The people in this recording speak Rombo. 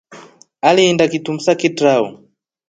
Aliinda kitumsa kitrao.